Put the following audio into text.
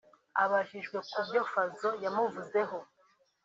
Abajijwe ku byo Fazzo yamuvuzeho